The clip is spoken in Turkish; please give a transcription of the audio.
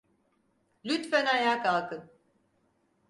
Lütfen ayağa kalkın.